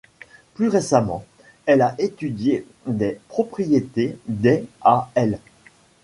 Plus récemment, elle a étudié des propriétés des à l'.